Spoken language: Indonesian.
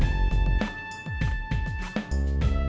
tidak tidak tidak